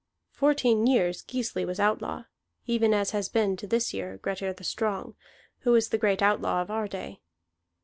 Fourteen years Gisli was outlaw, even as has been, to this year, Grettir the Strong, who is the great outlaw of our day.